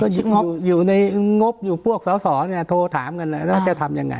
งบอยู่ในงบอยู่พวกสอสอเนี่ยโทรถามกันแล้วจะทำยังไง